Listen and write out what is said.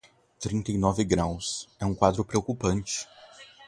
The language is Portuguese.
Trinta e nove graus, é um quadro preocupante.